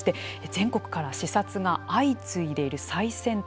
全国から視察が相次いでいる最先端の取り組み。